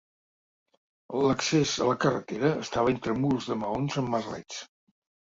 L'accés a la carretera estava entre murs de maons amb merlets.